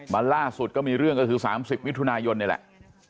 ล่าสุดก็มีเรื่องก็คือ๓๐มิถุนายนนี่แหละ